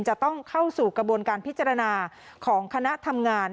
จะต้องเข้าสู่กระบวนการพิจารณาของคณะทำงาน